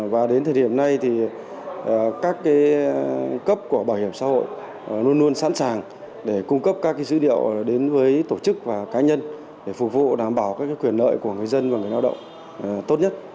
và đến thời điểm này thì các cấp của bảo hiểm xã hội luôn luôn sẵn sàng để cung cấp các dữ liệu đến với tổ chức và cá nhân để phục vụ đảm bảo các quyền lợi của người dân và người lao động tốt nhất